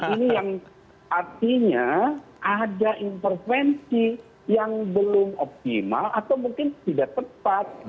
ini yang artinya ada intervensi yang belum optimal atau mungkin tidak tepat